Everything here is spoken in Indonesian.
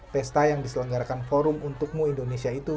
pesta yang diselenggarakan forum untukmu indonesia itu